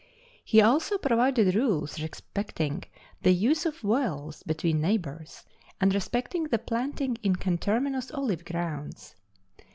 He also provided rules respecting the use of wells between neighbors, and respecting the planting in conterminous olive grounds.